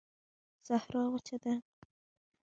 صحرا وچه ده